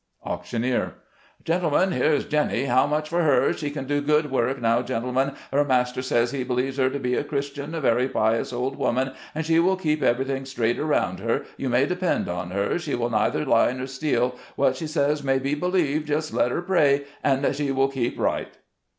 Auctioneer — "Gentlemen, here is Jenny — how much for her ? She can do good work. Now, gen tlemen, her master says he believes her to be a Christian, a very pious old woman ; and she will keep everything straight around her. You may depend on her. She will neither lie nor steal : what she says may be believed. Just let her pray, and she will keep right."